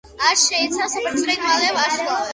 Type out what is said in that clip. არ შეიცავს ბრწყინვალე ვარსკვლავებს.